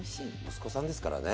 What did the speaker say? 息子さんですからね。